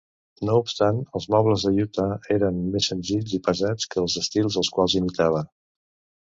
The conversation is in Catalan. No obstant, els mobles de Utah eren més senzills i pesats que els estils als quals imitava.